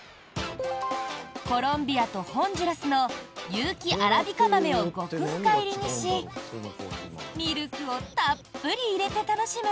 コロンビアとホンジュラスの有機アラビカ豆を極深煎りにしミルクをたっぷり入れて楽しむ